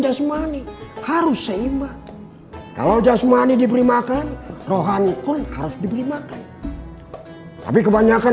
jasmani harus seimbang kalau jasmani diberi makan rohani pun harus diberi makan tapi kebanyakan